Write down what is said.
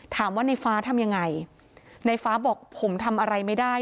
ถามว่าในฟ้าทำยังไงในฟ้าบอกผมทำอะไรไม่ได้